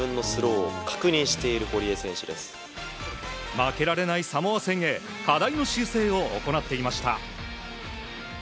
負けられないサモア戦へ課題の修正を行っていました。